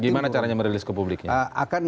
gimana caranya merilis ke publik